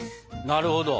なるほど。